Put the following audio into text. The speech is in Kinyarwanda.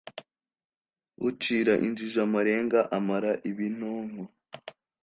Ucira injiji amarenga amara ibinonko.